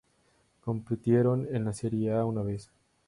Compitieron en el Serie A una vez.